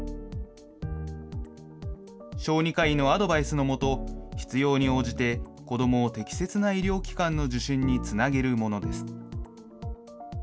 小児科医のアドバイスのもと、必要に応じて子どもを適切な医療機関の受診につなげるものです。